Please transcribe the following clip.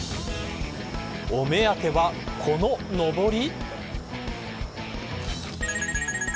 お目当ては、こののぼり。